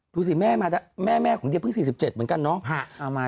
ดูสิแม่มาแม่ของเดียเพิ่ง๔๗เหมือนกันเนาะ